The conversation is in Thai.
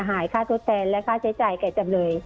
อ่าเข้าใจค่ะท่าน